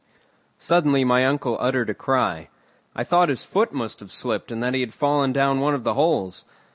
Suddenly my uncle uttered a cry. I thought his foot must have slipped and that he had fallen down one of the holes.